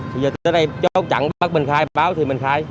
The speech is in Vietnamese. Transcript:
thì giờ tới đây chốt chặn bắt mình khai báo thì mình khai